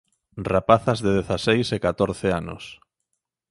Rapazas de dezaseis e catorce anos.